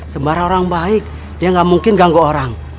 sembarang orang baik dia gak mungkin ganggu orang